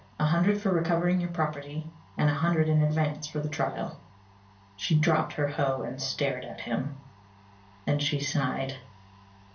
A hundred for recovering your property and a hundred in advance for the trial." She dropped her hoe and stared at him. Then she sighed.